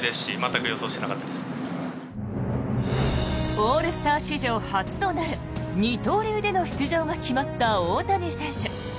オールスター史上初となる二刀流での出場が決まった大谷選手。